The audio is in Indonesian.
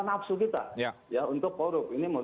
nafsu kita ya untuk korup ini